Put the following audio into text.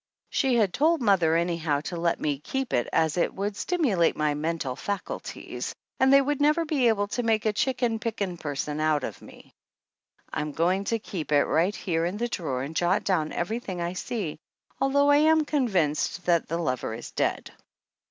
She had told mother anyhow to let me keep it as it would "stimulate my mental fac ulties" and they would never be able to make a chicken picking person out of me. I'm going to keep it right here in the drawer and jot down everything I see, although I am convinced that the lover is dead.